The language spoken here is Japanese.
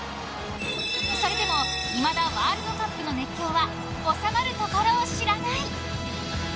それでもいまだワールドカップの熱狂は収まるところを知らない。